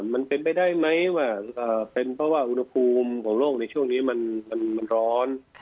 มันเป็นไปได้ไหมว่าเป็นเพราะว่าอุณหภูมิของโลกในช่วงนี้มันร้อน